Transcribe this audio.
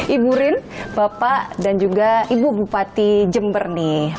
ibu rin bapak dan juga ibu bupati jember nih